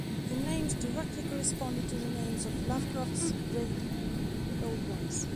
The names directly corresponded to the names of Lovecraft's Great Old Ones.